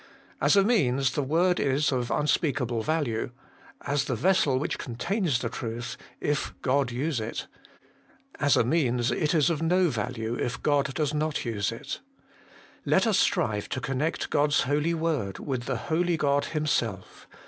As a means the word is of unspeakable value, as the vessel which contains the truth, if God use it ; as a means it is of no value, if God does not use it. Let us strive to connect God's Holy Word with the Holy God Himself.